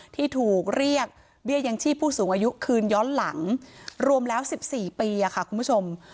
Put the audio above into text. ที่ถูกเรียกเบี้ยยังชีพผู้สูงอายุคืนย้อนหลังรวมแล้ว๑๔ปีค่ะคุณผู้ชม